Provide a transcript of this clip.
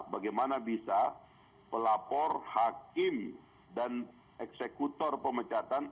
bagaimana bisa pelapor hakim dan eksekutor pemecatan